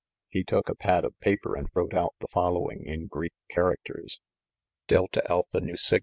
He took a pad of paper and wrote out the following in Greek characters : Ae yapQev, pose (3wx.